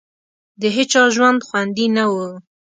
د هېچا ژوند خوندي نه وو.